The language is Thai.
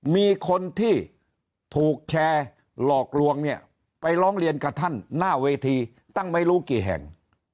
มีคนที่ถูกแชร์หลอกลวงเนี่ยไปร้องเรียนกับท่านหน้าเวทีตั้งไม่รู้กี่แห่ง